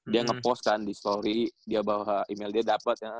dia ngepost kan di story dia bahwa email dia dapet